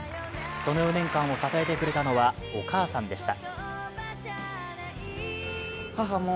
その４年間を支えてくれたのはお母さんでした。